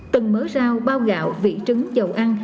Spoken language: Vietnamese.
từng mớ rau bao gạo vị trứng dầu ăn